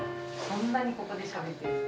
そんなにここでしゃべってるの？